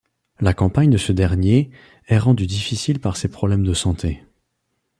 La campagne de ce dernier est rendue difficile par ses problèmes de santé.